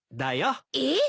えっ！？